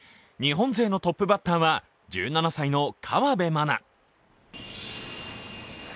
日本勢のトップバッターは１７歳の河辺愛菜。